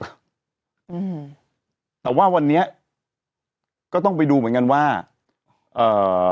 อืมแต่ว่าวันนี้ก็ต้องไปดูเหมือนกันว่าเอ่อ